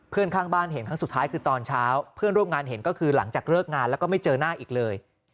ข้างบ้านเห็นครั้งสุดท้ายคือตอนเช้าเพื่อนร่วมงานเห็นก็คือหลังจากเลิกงานแล้วก็ไม่เจอหน้าอีกเลย